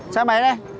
xem máy đây